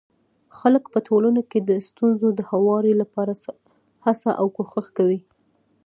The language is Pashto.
خلک په ټولنه کي د ستونزو د هواري لپاره هڅه او کوښښ کوي.